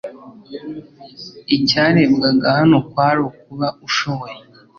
Icyarebwaga hano kwari kuba ushoboye